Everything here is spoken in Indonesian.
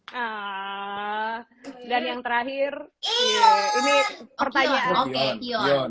hai dan yang terakhir ini aku tertanyaanrebuhan